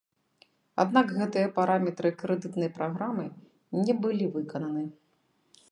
Аднак гэтыя параметры крэдытнай праграмы не былі выкананы.